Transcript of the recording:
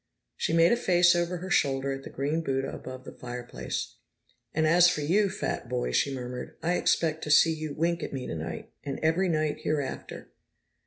She made a face over her shoulder at the green Buddha above the fireplace. "And as for you, fat boy," she murmured, "I expect to see you wink at me tonight. And every night hereafter!"